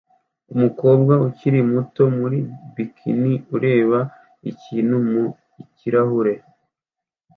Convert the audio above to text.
Umukobwa ukiri muto muri bikini ureba ikintu mu kirahure